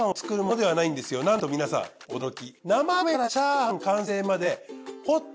なんと皆さん驚き。